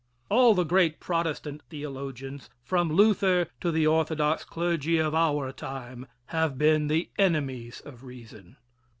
All the great Protestant theologians, from Luther to the orthodox clergy of our time, have been the enemies of reason.